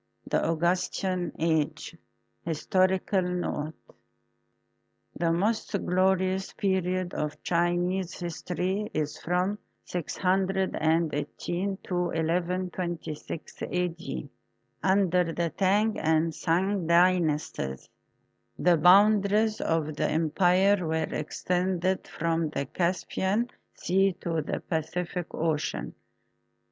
IV THE AUGUSTAN AGE HISTORICAL NOTE The most glorious period of Chinese history is from 6i8 to 1 1 26 A.D. under the Tang and Sung Dynasties. The bounda ries of the empire were extended from the Caspian Sea to the Pacific Ocean.